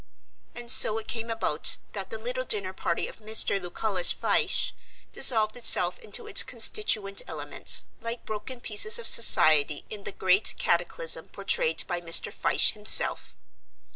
And so it came about that the little dinner party of Mr. Lucullus Fyshe dissolved itself into its constituent elements, like broken pieces of society in the great cataclysm portrayed by Mr. Fyshe himself.